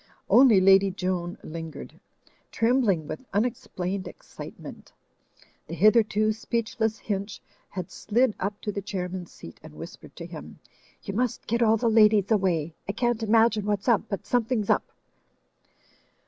Only Lady Joan lingered, trembling with un 90 THE FLYING INN explained excitement. The hitherto speechless Hinch had slid up to the Chairman's seat and whispered to him: 'Tfou must get all the ladies away. I can't imagine what's up, but something's up."